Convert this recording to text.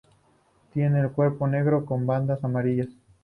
Tiene el cuerpo negro con bandas amarillas.